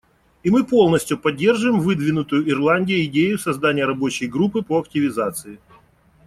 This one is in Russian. И мы полностью поддерживаем выдвинутую Ирландией идею создания рабочей группы по активизации.